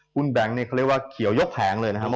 หุ้นแบงค์เขาเรียกว่าเขียวยกแผงเลยนะครับ